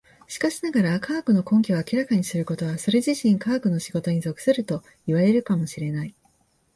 しかしながら、科学の根拠を明らかにすることはそれ自身科学の仕事に属するといわれるかも知れない。